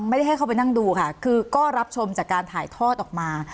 ให้เข้าไปนั่งดูค่ะคือก็รับชมจากการถ่ายทอดออกมา